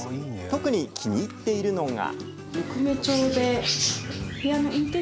特に気に入っているのが。